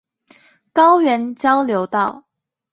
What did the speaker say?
高原交流道